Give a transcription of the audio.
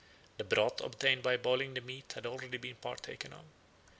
The broth obtained by boiling the meat had already been partaken of.